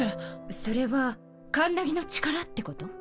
それはカンナギの力ってこと？